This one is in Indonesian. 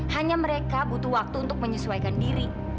hanya mereka butuh waktu untuk menyesuaikan diri